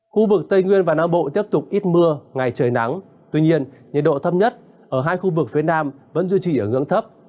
khu vực tây nguyên và nam bộ tiếp tục ít mưa ngày trời nắng tuy nhiên nhiệt độ thấp nhất ở hai khu vực phía nam vẫn duy trì ở ngưỡng thấp